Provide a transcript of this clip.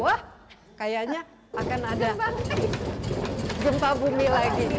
wah kayaknya akan ada gempa bumi lagi